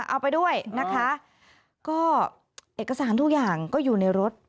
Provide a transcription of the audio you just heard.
เอาไปด้วยนะคะก็เอกสารทุกอย่างก็อยู่ในรถ